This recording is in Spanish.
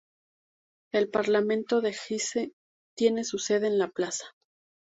El parlamento de Hesse tiene su sede en la plaza.